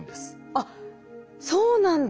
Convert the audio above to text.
あっそうなんだ。